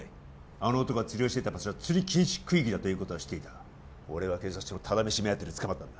あの男が釣りをしていた場所が釣り禁止区域だということは知っていた俺は警察署のタダ飯目当てで捕まったんだ